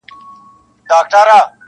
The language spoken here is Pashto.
پلار یې وښوروی سر و یې خندله,